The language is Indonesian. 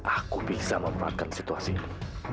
aku bisa memanfaatkan situasi ini